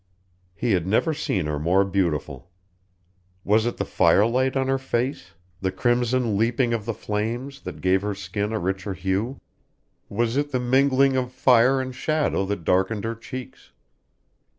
He had never seen her more beautiful. Was it the firelight on her face, the crimson leapings of the flames, that gave her skin a richer hue? Was it the mingling of fire and shadow that darkened her cheeks?